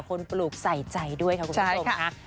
ปลูกใส่ใจด้วยค่ะคุณผู้ชมค่ะ